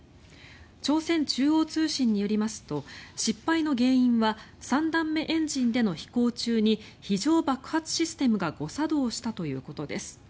朝鮮中央通信によりますと失敗の原因は３段目エンジンでの飛行中に非常爆発システムが誤作動したということです。